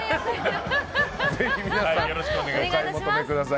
ぜひ皆さんお買い求めください。